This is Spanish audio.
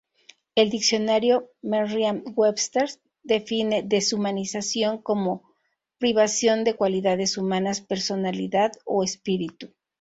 El diccionario Merriam Webster define ""deshumanización"" como ""privación de cualidades humanas, personalidad o espíritu"".